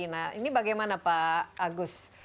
nah ini bagaimana pak agus